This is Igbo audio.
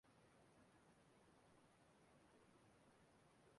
gote ọka